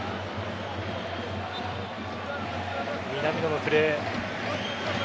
南野のプレー。